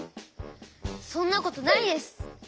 そんなことないです！